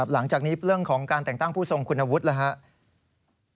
หลังจากนี้เรื่องของการแต่งตั้งผู้ทรงคุณวุฒิแล้วครับ